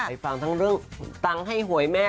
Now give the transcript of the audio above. ไปฟังทั้งเรื่องตังค์ให้หวยแม่